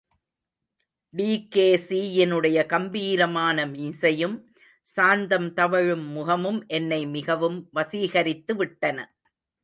டி.கே.சியினுடைய கம்பீரமான மீசையும் சாந்தம் தவழும் முகமும் என்னை மிகவும் வசீகரித்து விட்டன.